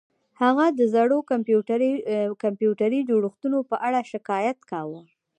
هغه د زړو کمپیوټري جوړښتونو په اړه شکایت کاوه